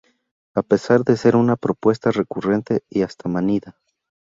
a pesar de ser una propuesta recurrente y hasta manida